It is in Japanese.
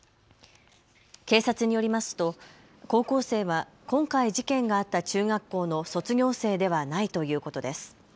警察によりますと高校生は今回事件があった中学校の卒業生ではないということです。